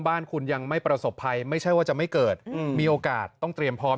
บ้านคุณยังไม่เป็น